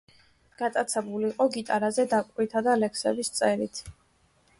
გატაცებული იყო გიტარაზე დაკვრითა და ლექსების წერით.